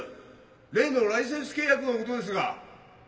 例のライセンス契約の事ですが。